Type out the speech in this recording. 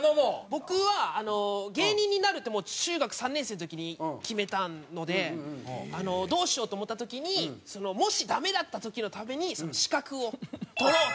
僕は芸人になるってもう中学３年生の時に決めたのでどうしようと思った時にもしダメだった時のために資格を取ろうっていうので。